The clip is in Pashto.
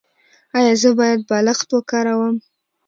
ایا زه باید بالښت وکاروم؟